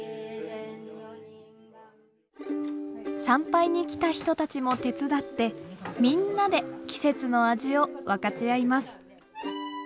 参拝に来た人たちも手伝ってみんなで季節の味を分かち合います。